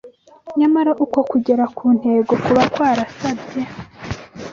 Nyamara uko kugera ku ntego kuba kwarasabye